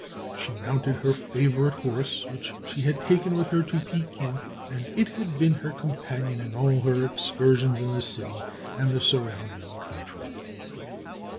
She mounted her favourite horse, which she had taken with her to Pekin, and it had been her companion in all her excursions in the city and the surrounding country.